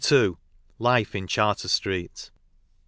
LIFE IN CHARTER STREET.